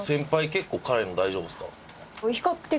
結構辛いの大丈夫ですか？